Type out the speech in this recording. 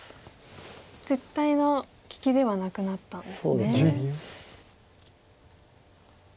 絶対の利きではなくなったんですね。